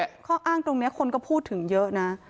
โดยเฉพาะข้ออ้างตรงเนี่ยคนก็พูดถึงเยอะนะ